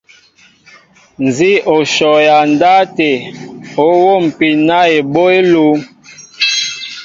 Nzi o shɔ ya ndáw até, i o nwómpin na eboy elúŋ.